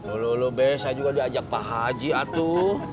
ulu ulu biasa juga diajak pak haji atu